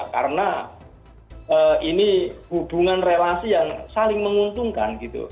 karena ini hubungan relasi yang saling menguntungkan gitu